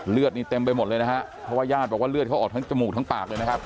เลือดนี่เต็มไปหมดเลยนะฮะเพราะว่าญาติบอกว่าเลือดเขาออกทั้งจมูกทั้งปากเลยนะครับ